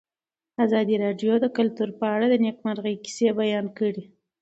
ازادي راډیو د کلتور په اړه د نېکمرغۍ کیسې بیان کړې.